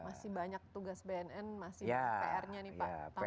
masih banyak tugas bnn masih pr nya nih pak